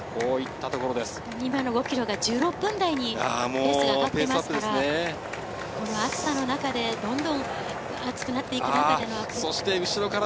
今の５ｋｍが１６分台にペースが上がっていますから、この暑さの中でどんどん暑くなっていくわけですから。